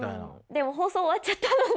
でも放送終わっちゃったので。